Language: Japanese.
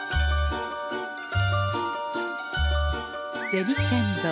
銭天堂。